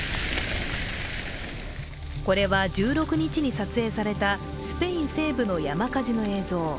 これは、１６日に撮影されたスペイン西部の山火事の映像。